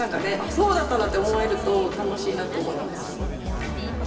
そうだったんだって思えると楽しいなと思います。